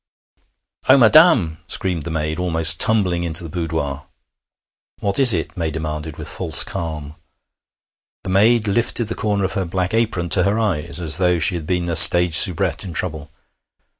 'Oh, madam!' screamed the maid, almost tumbling into the boudoir. 'What is it?' May demanded with false calm. The maid lifted the corner of her black apron to her eyes, as though she had been a stage soubrette in trouble.